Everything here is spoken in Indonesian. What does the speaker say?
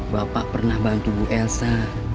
bapak pernah bantu ibu elsa